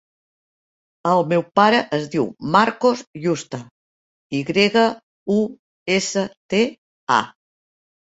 El meu pare es diu Marcos Yusta: i grega, u, essa, te, a.